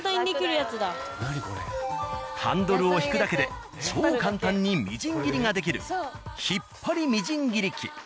ハンドルを引くだけで超簡単にみじん切りができる引っ張りみじん切り器。